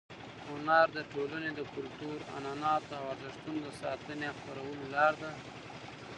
هنر د ټولنې د کلتور، عنعناتو او ارزښتونو د ساتنې او خپرولو لار ده.